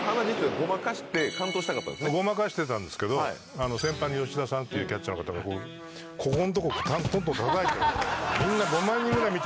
ごまかしたかったんですけど、先輩の吉田さんっていうキャッチャーの方が、ここん所をとんとんたたいた。